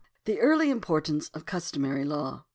The Early Importance of Customary Lav«^.